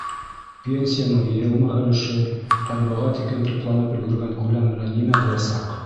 — Пенсияның йыйылма өлөшө һәм быға тиклем тупланып өлгөргән күләм менән нимә буласаҡ?